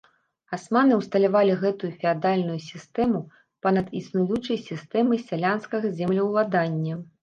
Асманы ўсталявалі гэтую феадальную сістэму па-над існуючай сістэмай сялянскага землеўладання.